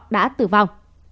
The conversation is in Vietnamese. đã tử vong